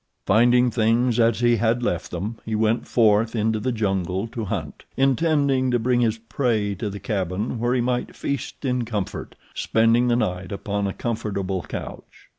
Finding things as he had left them, he went forth into the jungle to hunt, intending to bring his prey to the cabin where he might feast in comfort, spending the night upon a comfortable couch.